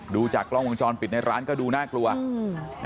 ดูจากกล้องวงจรปิดในร้านก็ดูน่ากลัวอืม